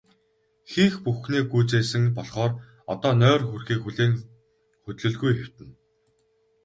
Хийх бүхнээ гүйцээсэн болохоор одоо нойр хүрэхийг хүлээн хөдлөлгүй хэвтэнэ.